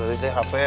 udah tua itu mah